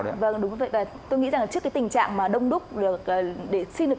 tôi nghĩ rằng trước cái tình trạng